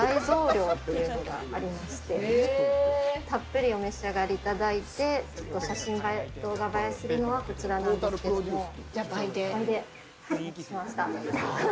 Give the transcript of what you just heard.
たっぷりお召し上がりいただいて、写真映え、動画映えするのはこちらなんですけど。